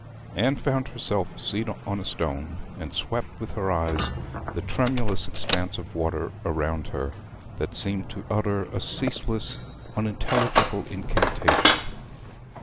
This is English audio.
Anne found herself a seat on a stone, and swept with her eyes the tremulous expanse of water around her that seemed to utter a ceaseless unintelligible incantation.